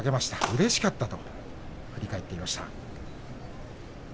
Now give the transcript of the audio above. うれしかったと振り返っていました。